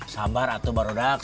sabar atuh baru deks